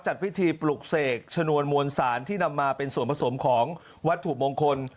จัดพิธีปลุกเสกชนวนมวลสารที่นำมาเป็นส่วนผสมของวัตถุมงคล